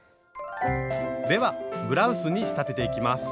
ではブラウスに仕立てていきます。